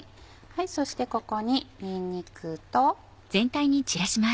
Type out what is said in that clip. そしてここににんにくと。